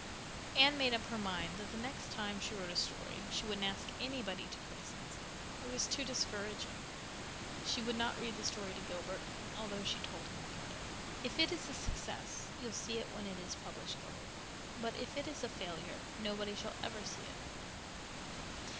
Anne made up her mind that the next time she wrote a story she wouldn't ask anybody to criticize it. It was too discouraging. She would not read the story to Gilbert, although she told him about it. "If it is a success you'll see it when it is published, Gilbert, but if it is a failure nobody shall ever see it."